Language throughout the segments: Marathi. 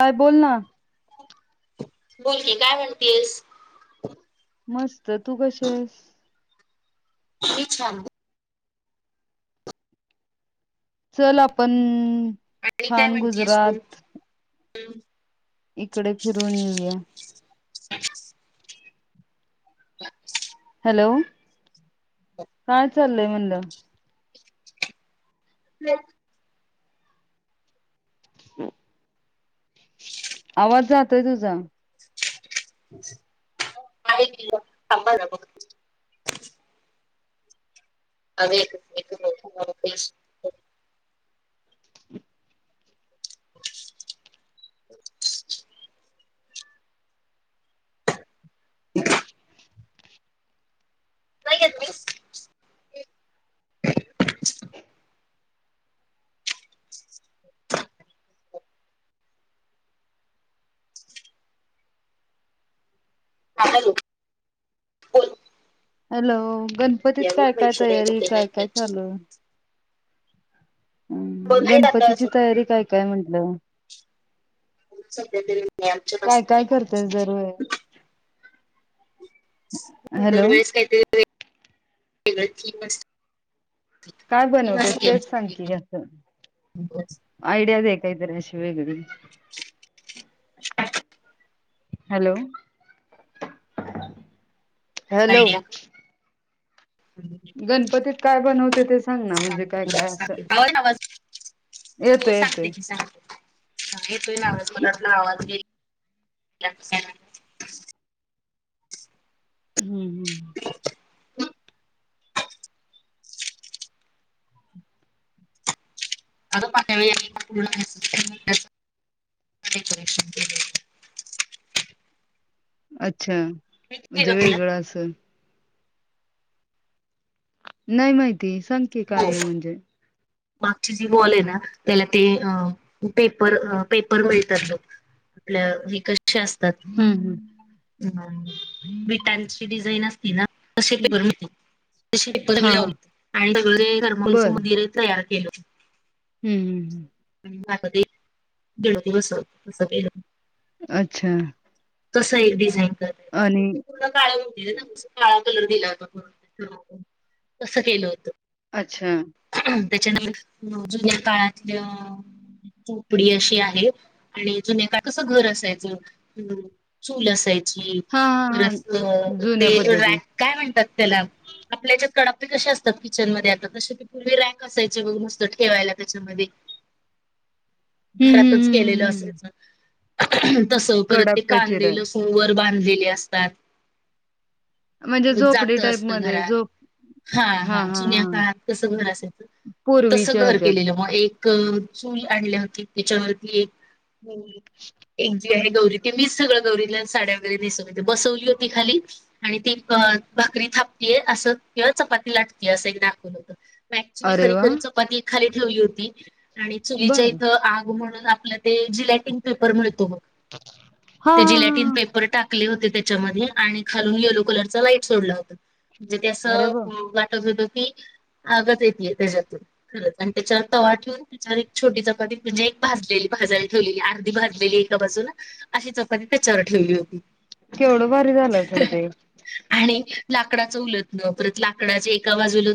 काय बोल ना बोलके काय म्हणतेस मस्त तू कसे आहेस छा चल आपण छान गुजरात ह् इकडे फिरून येऊया. [inaudible] हॅलो काय चाललंय म्हणलं ह आवाज जातय तुझा आहे क आबा येत [inaudible] नाही येत तम्ही ह हॅलो गणपतीत यावर काय काय पैसे द्यायचे तयारी ते नाही काय काय द्यायचे चालू हम् बघायला आता गणपतीची तयारी काय काय म्हटलं [inaudible] दर करतेस दरवेळेस? हॅलो वेेळेस काहीतरी वेगळं काय थीम बनवते असते तेच सांगते आमचं यडिया दे कायतर अशी वेगळी हॅलो हॅलो ह् गणपतीत काय बनवते ते सांग ना म्हणजे काय काय असं आवाज हो येतोय सांगते येतोय. की सांगते येतोय आवाज मला आवाज नाही हम्म हम्म [inaudible] अच्छा होतं. वेगळं असं नाही माहिती सांग हो काय म्हणजे मागची जी वॉल आहे ना त्याला ते पेपर पेपर मिळतात बग आपलं हे कसे असतात हम्म बेटांचीडिझाईन असते ना [inaudible] हम्म ह हा हम् हम् हम् दीड दिवस अच्छा कस आहे डिझाईन कर आणि पूर्ण काळ नव्हतंकाळा कलर दिला होता कसं केलं होतं अच्छा त्याच्यान जुन्या काळातल्या झोपडी अशी आहे आणि जुने का कसं घर असायचं अ चूल असायचं. हा हा [inaudible] हा जुन्या काय पद्धती हम्म म्हणतात त्याला आपल्याच्यात कडापे कसे असतात किचनमध्येध आता तसे तुम्ही रॅक असायची बघ नुसत ठेवायला त्याच्यामध्ये हम्म घरातच हम्म केलेलं हम्म असेयच तस करत ते कडाप्पा कांदे चिरा लसुन वर बांधलेले असतात. म्हणजे झोपडी जात टाईप असत मध्ये घरात झोप हा हा जुन्या काळात कसं घर असायचं तसं पूर्वीच्या घर ह्याच्यात केलेलं मग एक चूल आणली होती त्याच्यावरती एक आहे गौरी ती मीच सगळं गौरी साड्या वगैरे नेसून होे बसवली होती खाली आणि ती अ भाकरी थापतीय असं किंवा चपाती लाटतेय असं एक दाखवून होतं म क्च्युली अरे खरी वा खरी चपाती एखाली ठेवली होती आणि चुलीच्या बर इथं आग म्हणून आपल्या जटिन पेपर मिळतो मग हा ते हा जिलटिन हा पेपर टाक टकले होते त्याच्यामध्ये आणि खालून येलो कलर लाईट सोडला होता म्हणजे ते अरे असं वा वाटत होत की आगत येतये त्याच्यातून खरच आणि त्याच्यावर तवा ठेवून त्याच्यावर एक छोटी चपाती म्हणजे एक भाजलेली भाजायला ठेवलेली अर्धी भाजलेली एका बाजून अशी चौपनी त्याच्यावर ठेवली होती केवढं भारी झालं असेल ते आणि लाकडाचं उलत न परत लाकडा जे एका बाजूला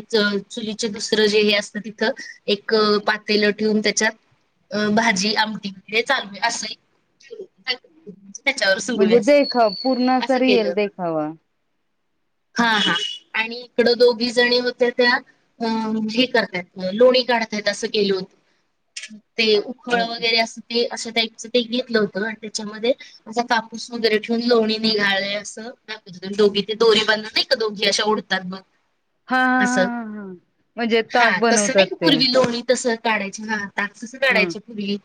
चुलीचे दुसरं जे हे असतं तिथं एक पातेल ठेवून त्याच्यात अ भाजी आमटी वगैरे चालू आहे असं त्याच्यावर सुरू आहे म्हणजे देखाव पूर्ण स असं रि केलं येल होतं. देखावा हा हा आणि इकड दोघी जणी होत्या त्या अ हे करतायत लोणी काढताय असं गेल ते फळ अ वगैरे असं ते अशा टाईपच ते घेतलं होतं आणि त्याच्यामध्ये असा कापूस वगैरे ठेवून लोणी निघाले असं दाखवत होत्या दोघी ते दोरी बन एक दोघी अशा उडतात मग हा हा अस हा हा हा म्हणजे ताक हा तसं बनवतात नाही ते पूर्वी लोणी तस काढायच हा ताक तसं हम्म काढायचे फुली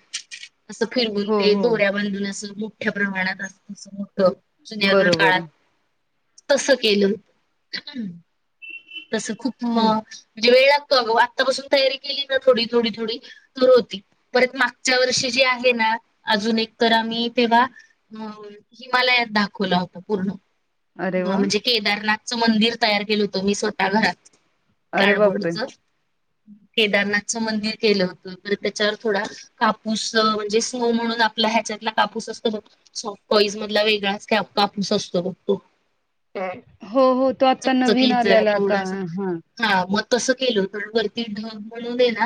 असं फिरवून हो ते हो दोऱ्या बांधून असं मोठ्या प्रमाणात अस मोठ जुन्यागर बरोबर काळात तस केलं तस खूप अ हम्म म्हणजेळ लागतो अगं आत्तापासून तयारी केली ना थोडी थोडी थोडी तर होती परत मागच्या वर्षी जी आहे ना अजून एक तर आम्ही तेव्हा अ हिमालयात दाखवला होता पूर्ण अरे वा म्हणजे केदारनाथचं मंदिर तयार केलं होतं मी स्वतः घरात अरे बापरे काडबोडच केदारनाथच मंदिर केलं होत तर त्याच्यावर थोडा कापूस म्हणजे स्नो म्हणून आपला ह्याच्यातला कापूस असतो बघ सॉफ्ट कॉईज मधला वेगळाच कॅपप्स असतो त हो हो तो आता नवीन चकचकीत जरा आल्याला का थोडासा हा हा मग तसं केलं तर वरती ढग म्हणून ये ना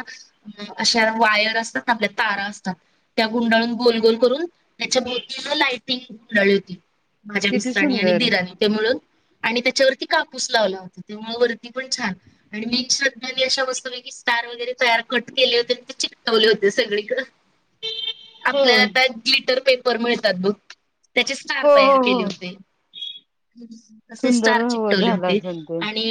अ अशा वायर असतात आपल्या तारा असतात त्या गुंडाळून गोल गोल करून त्याच्या भोवती लाइटिंग उडाली होती माझ्या किती मिस््रांनी आणि सुंदर बीरानी त्यामुळून आणि त्याच्यावरती कापूस लावला होता त्यामु वरती पण छान आणि मी श्रद्धानी अशा बसतय की तार वगैरे तयार कट केले होते ते चिकवले होते सगळीकडे होय आपल्यालाता ल्िटर पेपर मिळतात बु त्याचे स्टार हो हो तयार हो केले होते तसे सुंदर स्टार हो चिकटवले झाला होते असेल ते आणि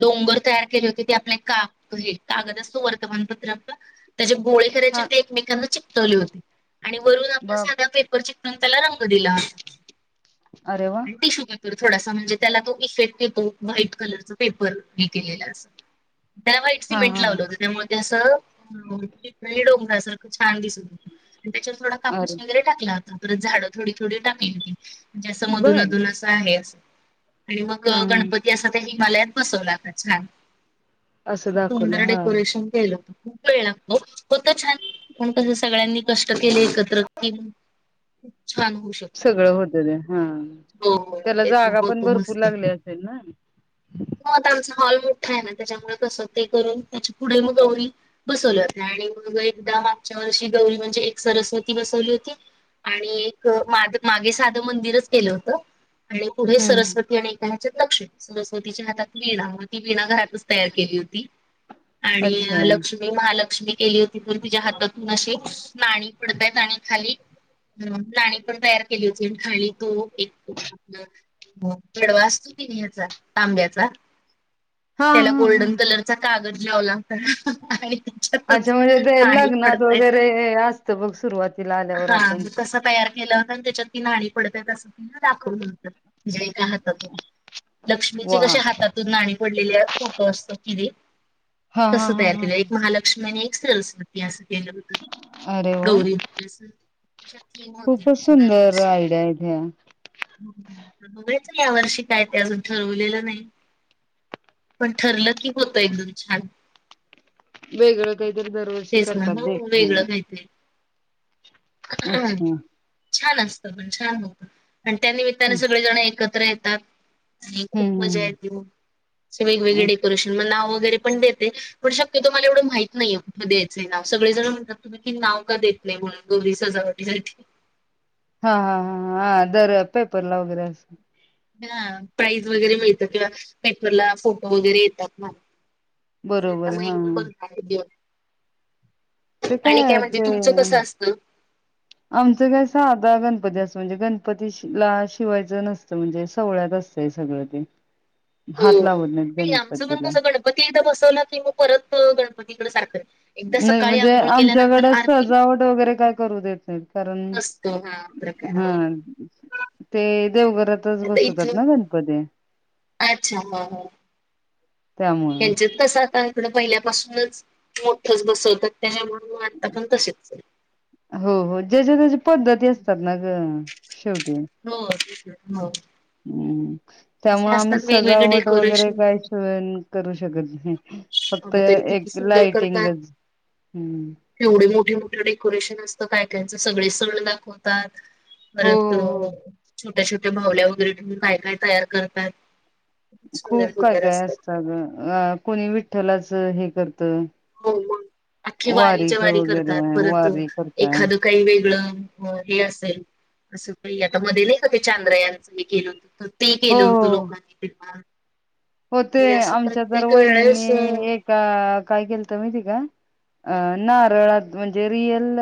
डोंगर तयार केले होते ते आपले काग हे कागद असतो वर्तमानपत्र आपलं त्याचे गोळे करायचे हा ते एकमेकांना चिकवले होते आणि वरून आपला बाप साध्या पेप चून त्याला रंग दिला होता अरे वा आणि टिशू पेपर थोडासा म्हणजे त्याला तो इफेक्ट येतो व्हाईट कलरचा पेपर हे केलेला त्याला वाईट हा सीमेंट हा लावलं होतं हा त्यामुळे ते असं डोंगरा सारखं छान दिसून आणि त्याच्यावर थोडा अरे कापूस वगैरे टाकला होता पर झाडं थोडी थोडी टाकली होती म्हणजे असं मधून बर मधून असं आहे अस आणि मग हा हा गणपती असा ते हिमालयात बसव लातात छान असं दाखवलं सुंदर हा डेकोरेशन केलं होत वेळ लागतो होत छान पण कस सगळ्यांनी कष्ट केले एकत्र कि ूप छान होऊ शकतो सगळं होत ते हा हो हो त्याला तेच ना जागा पण होतो भरपूर लागली असेल ना हो आता आमचा हॉल मोठा आहे ना त्याच्यामुळे कसं ते करून त्याची पुढे म गौरी बसवलं होत आणि मग एकदा मागच्या वर्षी गौरी म्हणजे एक सरस्वती बसवली होती आणि एक माग मागे साधं मंदिरच केलं होतं आणि पुढे हम्म सरस्वती आणि ह्याच्यात लक्ष सरस्वतीच्या हात वीणा व ती विणा घरातच तयार केली होती आणि अच्छा लक्ष्मी महालक्ष्मी केली होती त तिच्या हातातून असे नाणी पडतय आणि खाली लाणी पण तयार केली होती आणि खाली तो एकतो आपलं हो गडवा असतो तिने हचा तांब्याचा हा त्याला हा गोल्डन हा हा कलर कागद लावला होता त्याच्यातच अच्छा म्हणजे ते नाणी लग्नात पडतायत वगैरे असतं बग सुरुवाती हा कसं तयार केलं होतं आणि त्याच्यात ती नणी पडते असं ति दाखवलं होतं म्हणजे एका हातातून लक्ष्मीचे वा कशा हातातून नाणी पडलेल्या हा कस हा हा तयार हा केलं एक हा महालक्ष्मी आणि एक सिरल्स इतिहास केलं होत अरे वा गौरी इतिहास शक्य नाही. खूपच सुंदर आयडिया आहेत या. बघाच या वर्षी काय ते अजून ठरवलेलं नाही. पण ठरलं की होतं एकदम छान. वेगळं काहीतरी दरवर्षी तेच ना करतात हो बाई. ह छान असत पण छान होत. आणि त्या निमित्ताने सगळेजण एकत्र येतात, आणि खूप मजा हम्म. येते. शे वेगवेगळे डेकोरेशन मग नाव वगैरे पण देते. पण शक्य तो मला एवढं माहित नाहीे कठंल द्यायंय नाव सगळे जण म्हणतात तुम्ही की नाव का देत आपल्या मुळ गोरी सजावटीसाठी. हा हा हा हा दर पेपरला वगैरे असं. हा प्राईज वगैरे मिळत किंवा पेपरला फोटो वगैरे येतात ना. बरोबर त्यामुळे हा हा. ते [unintelligible] आणि काय म्हणजे ते तुमचं तसं असतं. आमचं कसा आधा गणपती असतो म्हणजे गणपती ला शिवायचं नसतं म्हणजे सोहळ्यात असतं. ते सगळ ते [inaudible] हात हो लावत नाहीत नाही आमचं पण गणपतीला कसं गणपती एकदा बसवला की मग परत गणपतीकडे सारख नाही म्हणजे आमच्याकडे सजावट वगैरे काय करू देत नाही कारण असतो हा प्रकार हा हो. ते देवघरातच आता बसवतात इथं ना गणपती? अच्छा त्यामुळे हेंच्यात कसं आता इकडं पहिल्यापासूनच मोठंच बसवतात त्यामु हो आता पण तसच आहे. हो हो ज्याच्या त्याच्या पद्धती असतात ना ग. शेवटी हो तेच ना हो हम्म. त्यामुळे असे आम्ही असतात वेगवेगळे सजावट वगैरे डेकोरेशन काही करू शकत नाही. फक्त अगं तरी एक किती सुंदर लाइटिंगच हम्म. तेवढे मोठे मोठे डेकोरेशन असतं काय कायचं सगळे सण दाखवतात. हो परत हो हो छोट्या छोट्या मावल्या वगैरे ठेऊन काय काय तयार करताय. खूप काय काय असत आ गं, कोणी विठ्ठलाच हे करत हो हो अख्खी वारीच्या वारीच वारी करतात वगैरे परत वारी करता एखाद काही वेगळं हे असेल असं काही आता मध्ये नाही का ते चांद्रयांचं मी केलं होत तर ते हो केलं होतं हो लोकांनी तेव्हा. होते म्हणजे असं आमच्या तर प्रत्येक वेळेस अ, वहिनींनी एका काय केलं तर माहिती का? अ नारळात म्हणजे रियल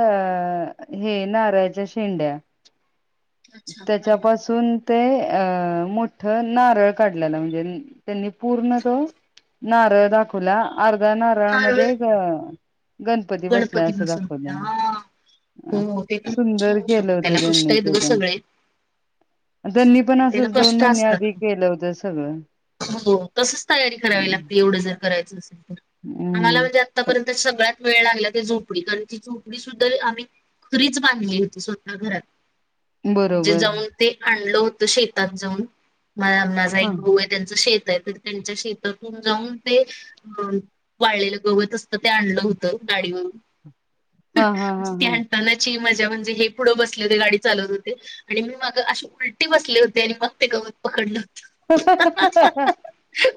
हे नारळाच्या शेंड्या अच्छा हा हा. त्याच्यापासून ते अं मोठ नारळ काढलेला म्हणजे त्यांनी पूर्ण तो नारळ दाखवला अर्ध्या नारळ नारळामध्ये ग गणपती बसला असं दाखवलं. बसवला हा. अ हो ते पण खूप छान सुंदर होतो केलं पण त्याला होतं कष्ट त्यांनी आहेत ते ग पण. सगळे. [inaudible] त्यांनी पण त्याला असंच दोन कष्ट महिन्या असतात आधी खूप. केलं होतं सगळं. हो तसच तयारी करावी लागते एवढं जर करायचं असेल तर, आम्हाला हम्म म्हणजे आत्ता पर्यंत सगळ्यात वेळ लागला कि झोपडी कारण ती झोपडी सुद्धा आम्ही रीच बांधली होती स्वतः घरात जे बरोबर जाऊन ते आणलं होत शेतात जाऊन म माझा हा. एक भाऊ त्यांच शेत आहे तर त्यांच्या शेतातून जाऊन ते अ वाळलेलं गवत असत ते आणलं हो त गाडीवर हा हा हा म्हणजे ते हा नानाची मजा म्हणजे हे पुढं बसले होते गाडी चालवत होते. आणि मी माग अे उलटी बसले होते आणि मग ते गवत पकडलं होत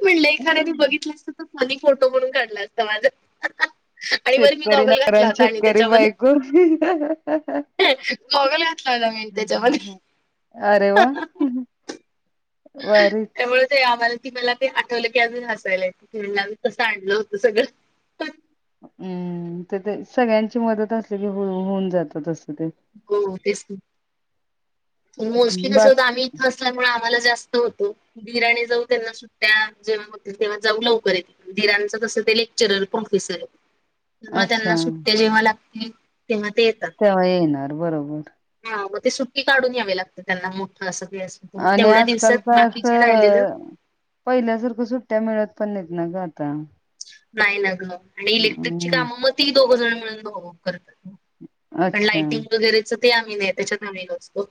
पण लेखानेने बघितलं फोटो म्हणून काढला असतं माझं शेतकरी नारण शेतकरी बायको मोगल घातला हो मिीन त्याच्यामध्ये अरे वा भारीच त्यामुळे ते आम्हाला ती मला ते आठवलं की अजून हायला कसं आणलं होत सगळं हम्म तर ते सगळ्यांची मदत असली की हो होऊन जात तस ते हो तेच मोस्टली बा तसं होत आम्ही इथं असल्यामुळे आम्हाला जास्त होतो बिराणी जाऊ त्यांना सुट्ट्या जेव्हा होतील तेव्हा जाऊ लवकर येतील दिरांचं कसं ते लेक्चरर प्रोफेसर त्या म अच्छा त्यांना सुट्ट्या जेव्हा लागते तेव्हा ते येतात तेव्हा येणार बरोबर हा मग ते सुट्टी काढून यावे लागते त्यांना मोठं असं तर. मग आणि तेवढ्या आजकाल दिवसात का बाकीचे राहिलेलं असं पहिल्यासारखं सुट्ट्या मिळत पण नाहीत ना का आता नाही नग आणि इलेक्ट्रिकची हम्म काम मग ती दोघ जण मिळून करतात पण अच्छा लाइटिंग वगैरेच ते आम्ही नाही त्याच्यात नवीन असतो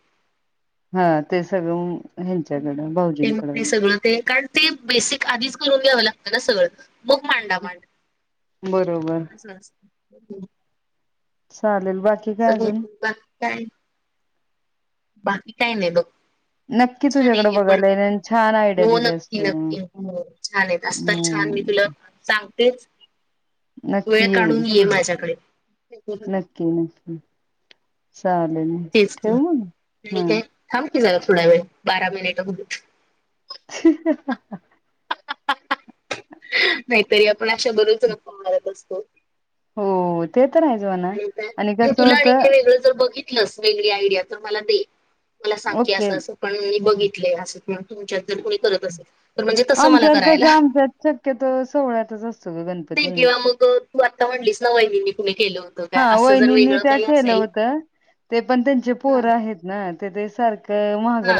हा ते सगळं ह्यांच्याकडं ते मग भाऊजींकडं ते सगळं ते कारण ते बेसिक आधीच करून घ्यावं लागत ना सगळं मग मांडा बरोबर मांडा चालेल काय अजून घात काय बाकी काही नाही दो नक्की छान आहे तुझ्याकडे हे पण बघायला येईल आणि छान आयडिया हो दिल्यास नक्की तू नक्की हो छान आहे असतात छान मी हम्म तुला सांगतेच नक्की वेळ येईल काढून ये माझ्याकडे ना सहालेने तेीच काय थांबकी जा थोडा वेळ बारा मिनिट [inaudible] नाहीतरी आपण अशाबरोच गपम मारत असतो हो ते तर आहे जोव ना आणि कसं होतं र बघितलं वेगळी आयडिया तर मला दे मला सांगते ओके असं अस पण मी बघितले असे तुमच्यात जर कोुणी करत असेल तर म्हणजे तसं मला आमच्यावर कसं करायला आमच्यात शक्यत सोहळ्यातच असत नाही किंवा मग तू आत्ता म्हणलीस ना वहिनी मी कुणी केलं हा काय असं जर वहिनींनी वेगळं त्या काही केलं असेल होत ते पण त्यांचे हा पोर आहेत. नाही ते ते सारखं महाग हा